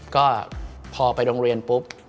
ก็พอไปโรงเรียนปุ๊บ